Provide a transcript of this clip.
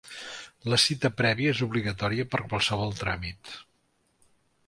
La cita prèvia és obligatòria per a qualsevol tràmit.